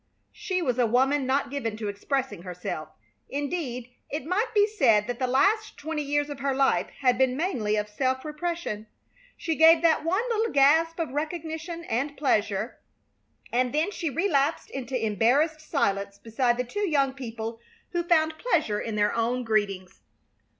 She was a woman not given to expressing herself; indeed, it might be said that the last twenty years of her life had been mainly of self repression. She gave that one little gasp of recognition and pleasure, and then she relapsed into embarrassed silence beside the two young people who found pleasure in their own greetings.